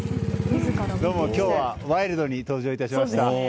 今日はワイルドに登場いたしました。